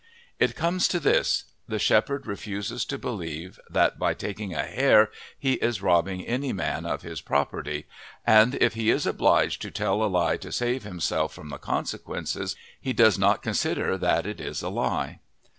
It comes to this: the shepherd refuses to believe that by taking a hare he is robbing any man of his property, and if he is obliged to tell a lie to save himself from the consequences he does not consider that it is a lie.